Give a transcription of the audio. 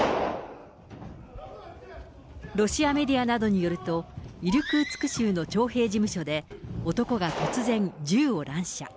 ロシアメディアなどによると、イルクーツク州の徴兵事務所で、男が突然、銃を乱射。